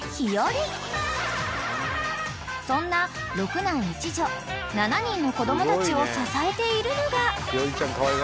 ［そんな６男１女７人の子供たちを支えているのが］